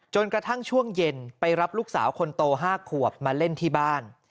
กระทั่งช่วงเย็นไปรับลูกสาวคนโต๕ขวบมาเล่นที่บ้าน